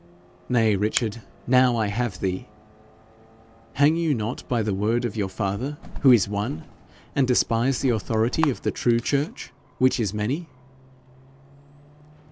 'Nay, Richard, now I have thee! Hang you not by the word of your father, who is one, and despise the authority of the true church, which is many?'